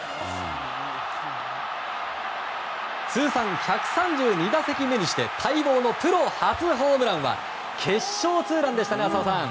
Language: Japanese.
通算１３２打席目にして待望のプロ初ホームランは決勝ツーランでしたね浅尾さん。